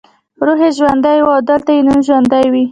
روح یې ژوندی وي او دلته یې نوم ژوندی وي.